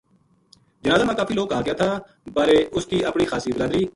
جنازہ ما کافی لوک آگیا تھا با اس کی اپنی خاص بلادری